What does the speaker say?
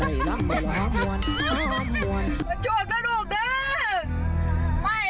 ไม่โชคดี